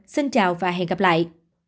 xin chào và hẹn gặp lại